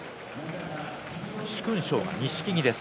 殊勲賞が錦木です。